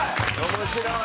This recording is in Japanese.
面白い。